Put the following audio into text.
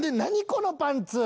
このパンツ。